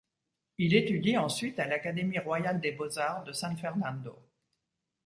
Il étudie ensuite à l'Académie royale des beaux-arts de San Fernando.